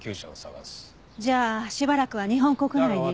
じゃあしばらくは日本国内に。